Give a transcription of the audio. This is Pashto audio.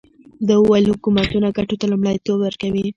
ده وویل حکومتونه ګټو ته لومړیتوب ورکوي.